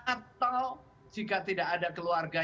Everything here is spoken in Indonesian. atau jika tidak ada keluarga